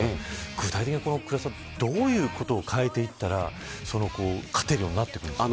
具体的に、倉田さんどういうことを変えていったら勝てるようになっていくんですか。